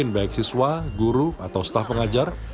baik siswa guru atau staf pengajar